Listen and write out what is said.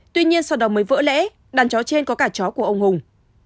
tuy nhiên sau đó mới vỡ lẽ đàn chó trên có cả chó của ông hùng